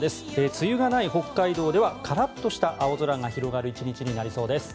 梅雨がない北海道ではカラッとした青空が広がる１日になりそうです。